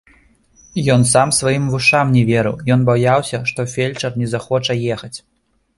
Ён сам сваім вушам не верыў, ён баяўся, што фельчар не захоча ехаць.